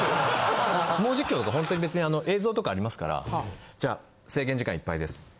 相撲実況とかホントに別にあの映像とかありますからじゃあ制限時間いっぱいです。